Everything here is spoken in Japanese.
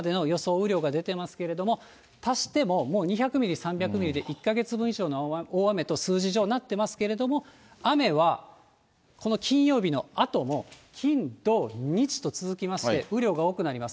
雨量が出てますけれども、足してももう２００ミリ、３００ミリで、１か月以上の大雨と数字上、なってますけれども、雨はこの金曜日のあとの金、土、日と続きまして、雨量が多くなります。